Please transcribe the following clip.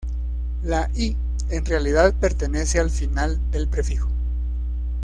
La "i" en realidad pertenece al final del prefijo.